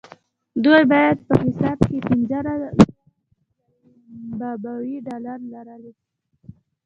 دوی باید په حساب کې پنځه زره زیمبابويي ډالر لرلای.